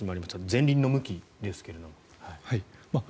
前輪の向きですけれども。